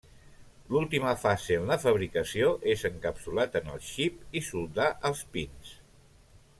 L'última fase en la fabricació és encapsulat en el xip i soldar els pins.